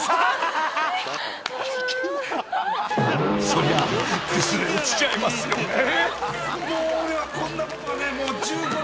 ［そりゃ崩れ落ちちゃいますよね］